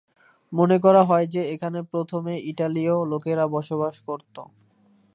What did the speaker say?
মনে করা হয় যে, এখানে প্রথমে ইতালীয় লোকেরা বসবাস করত।